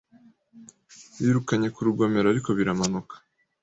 Yirukanye ku rugomero ariko biramanuka